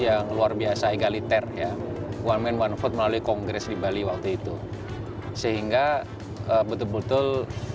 yang luar biasa egaliter ya one man one vote melalui kongres di bali waktu itu sehingga betul betul